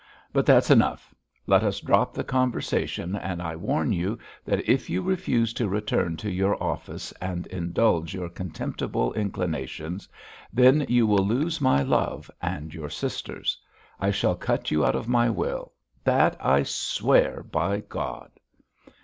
"But that's enough. Let us drop the conversation and I warn you that if you refuse to return to your office and indulge your contemptible inclinations, then you will lose my love and your sister's. I shall cut you out of my will that I swear, by God!"